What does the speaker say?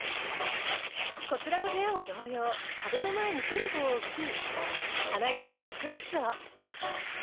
こちらの部屋も同様壁の前にシェルフを置き棚には植物を。